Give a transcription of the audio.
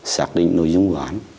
xác định nội dung của án